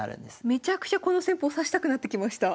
めちゃくちゃこの戦法指したくなってきました。